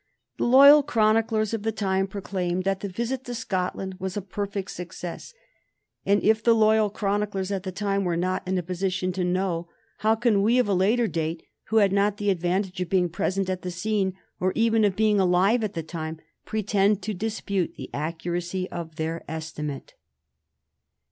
The loyal chroniclers of the time proclaimed that the visit to Scotland was a perfect success, and if the loyal chroniclers at the time were not in a position to know, how can we of a later date, who had not the advantage of being present at the scene, or even of being alive at the time, pretend to dispute the accuracy of their estimate?